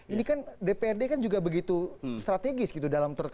ini kan dprd kan juga begitu strategis gitu